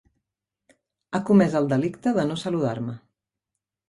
Ha comès el delicte de no saludar-me.